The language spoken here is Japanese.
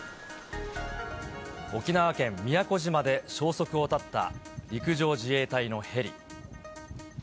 沖縄県宮古島で消息を絶った、陸上自衛隊のヘリ。